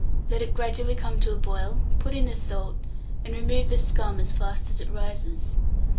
Let it gradually come to a boil, put in the salt, and remove the scum as fast as it rises.